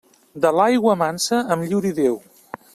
De l'aigua mansa em lliuri Déu.